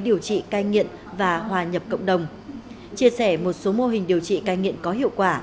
điều trị cai nghiện và hòa nhập cộng đồng chia sẻ một số mô hình điều trị cai nghiện có hiệu quả